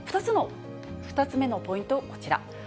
２つ目のポイント、こちら。